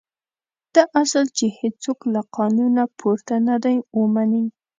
دا اصل چې هېڅوک له قانونه پورته نه دی ومني.